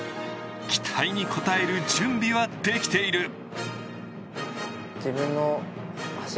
期待に応える準備はできている。